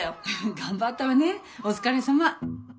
頑張ったわねお疲れさま。